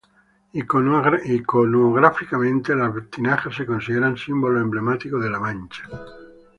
Iconográficamente, las tinajas se consideran símbolo emblemático de La Mancha.